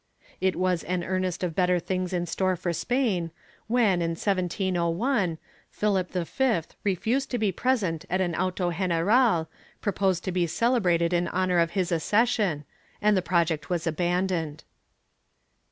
It was an earnest of better things in store for Spain when, in 1701, Philip V refused to be present at an auto general proposed to be celebrated in honor of his accession, and the project was abandoned.